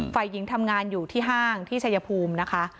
ฝ่ายหญิงทำงานอยู่ที่ห้างที่ชายภูมินะคะ